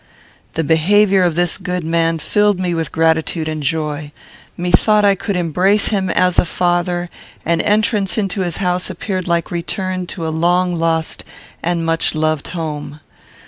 The behaviour of this good man filled me with gratitude and joy. Methought I could embrace him as a father, and entrance into his house appeared like return to a long lost and much loved home.